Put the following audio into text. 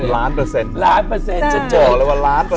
ล้านเปอร์เซ็นต์ล้านเปอร์เซ็นต์ล้านเปอร์เซ็นต์เจอเลยว่าล้านเปอร์เซ็นต์